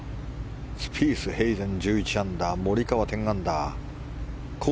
スピース、ヘイゼン１１アンダーモリカワ１０アンダー。